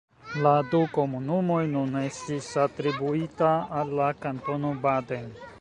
La du komunumoj nun estis atribuita al la Kantono Baden.